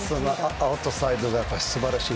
アウトサイドが素晴らしい。